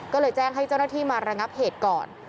ก็เลยแจ้งให้เจ้าหน้าที่มาระงับเหตุก่อน